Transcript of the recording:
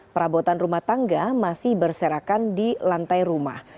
perabotan rumah tangga masih berserakan di lantai rumah